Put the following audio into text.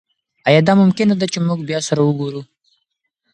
ایا دا ممکنه ده چې موږ بیا سره وګورو؟